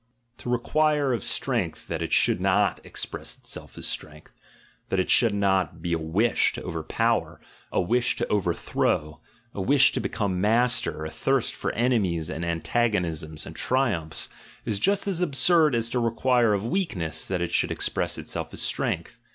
To require of strength that it should not express itself as strength, that it should not be a wish to overpower, a wish to overthrow, a wish to become master, a thirst for enemies and antagonisms and triumphs, is just as absurd as to require of weakness that it should express itself as strength.